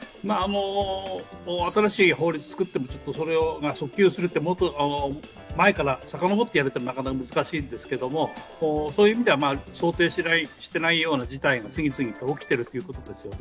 新しい法律を作ってもそれを遡及する前からさかのぼってやるというのは、なかなか難しいんですが、そういう意味では想定していない事態が次々と起きているということですよね。